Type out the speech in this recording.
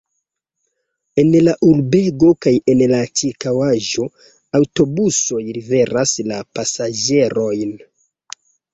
En la urbego kaj en la ĉirkaŭaĵo aŭtobusoj liveras la pasaĝerojn.